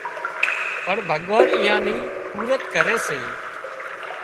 پڻ ڀڳوان ايئان نِي پُورت ڪري سي